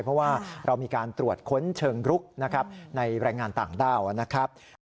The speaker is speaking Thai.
เพราะว่าเรามีการตรวจค้นเชิงรุกนะครับในแรงงานต่างด้าวนะครับ